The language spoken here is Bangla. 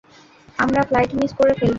আমরা ফ্লাইট মিস করে ফেলবো।